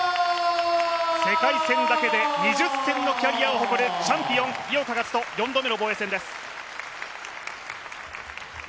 世界戦だけで２０戦のキャリアを誇るチャンピオン、井岡一翔、４度目の防衛戦です。